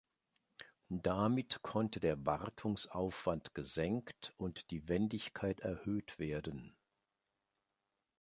Damit konnte der Wartungsaufwand gesenkt und die Wendigkeit erhöht werden.